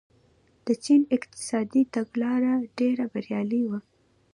د چین اقتصادي تګلاره ډېره بریالۍ وه.